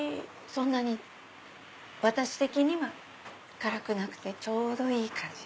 そんなに私的には辛くなくてちょうどいい感じ。